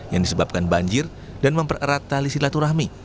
yang disebabkan banjir dan mempererat tali silaturahmi